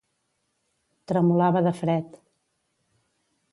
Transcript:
Tremolava de fred